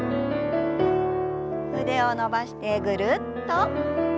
腕を伸ばしてぐるっと。